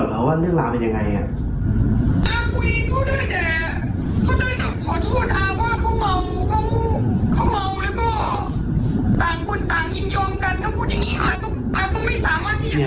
เพราะว่าหนูไม่ได้ต้องการเงินค่ะคุณอา